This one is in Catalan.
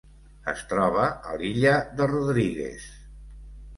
Es troba a l'Illa de Rodrigues.